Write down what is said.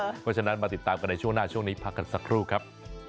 เพราะฉะนั้นมาติดตามกันในช่วงหน้าช่วงนี้พักกันสักครู่ครับ